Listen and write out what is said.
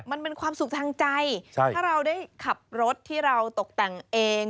มันเป็นความสุขทางใจถ้าเราได้ขับรถที่เราตกแต่งเอง